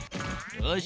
よし。